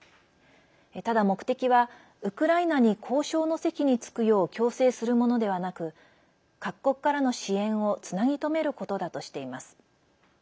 ただ、目的はウクライナに交渉の席に着くよう強制するものではなく各国からの支援をつなぎ止めることだとしています。